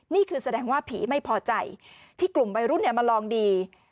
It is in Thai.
นี่คือแสดงว่าผีไม่พอใจที่กลุ่มวัยรุ่นมาลองดี